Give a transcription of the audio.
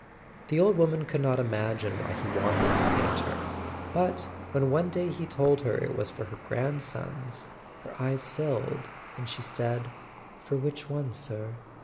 The old woman could not imagine why he wanted to paint her; but 'when one day he told her it was for her grandsons, her eyes filled, and she said: "For which one, sir?